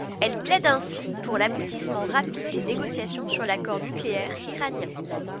Elle plaide ainsi pour l’aboutissement rapide des négociations sur l’accord nucléaire iranien.